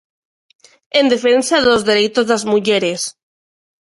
En defensa dos dereitos das mulleres.